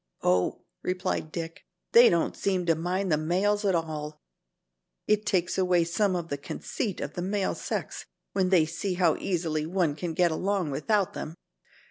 "Oh," replied Dick, "they don't seem to mind the males at all. It takes away some of the conceit of the male sex when they see how easily one can get along without them."